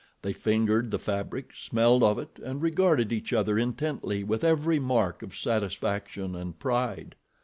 They fingered the fabric, smelled of it, and regarded each other intently with every mark of satisfaction and pride.